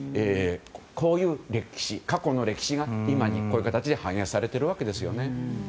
こういう過去の歴史が今こういう形で反映されているわけです。